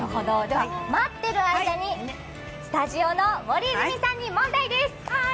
待っている間に、スタジオの森泉さんに問題です。